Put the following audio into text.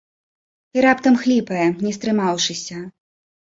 І раптам хліпае, не стрымаўшыся.